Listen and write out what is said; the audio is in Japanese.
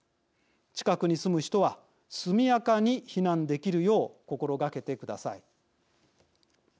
近くに住む人は速やかに避難できるよう心がけてください。